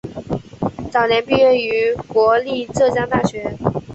早年毕业于国立浙江大学。